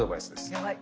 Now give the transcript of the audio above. やばい！